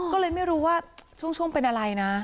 ก็เลยไม่รู้ว่าช่วงเป็นอะไรนะ